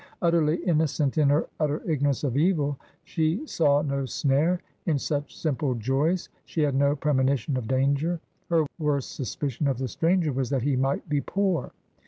Utterly innocent in her utter ignorance of evil, she saw no snare in such simple joys, she had no premonition of danger. Her worst suspicion of the stranger was that he might be poor.